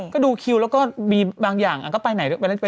ก็ดูคิวแล้วก็มีบางอย่างก็ไปหาก็ไปด้วยจ้า